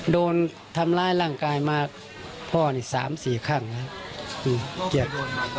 โดนทํวล้ายร่างกายมากพ่อนี่สามสี่ขั้นอืมเกลียดว่าคอยโดนแล้ว